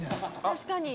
確かに！